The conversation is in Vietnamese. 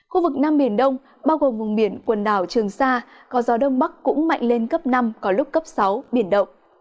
khu vực nam biển đông bao gồm vùng biển quần đảo trường sa có gió đông bắc cũng mạnh lên cấp năm có lúc cấp sáu biển động